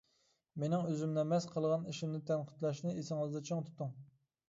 مېنىڭ ئۆزۈمنى ئەمەس، قىلغان ئىشىمنى تەنقىدلەشنى ئېسىڭىزدە چىڭ تۇتۇڭ.